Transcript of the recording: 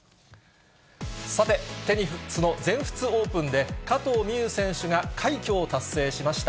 さて、テニスの全仏オープンで加藤未唯選手が快挙を達成しました。